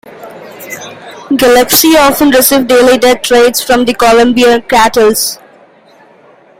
Gillespie often received daily death threats from the Colombian cartels.